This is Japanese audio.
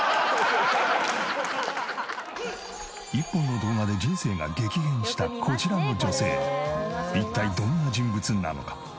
１本の動画で人生が激変したこちらの女性一体どんな人物なのか？